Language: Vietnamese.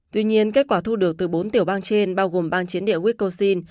tuy nhiên kết quả thu được từ bốn tiểu bang trên bao gồm bang chiến địa wiscosin